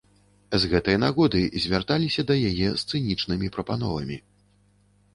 З гэтай нагоды звярталіся да яе і з цынічнымі прапановамі.